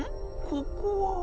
ここは。